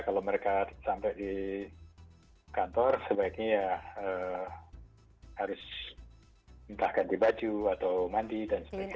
kalau mereka sampai di kantor sebaiknya ya harus minta ganti baju atau mandi dan sebagainya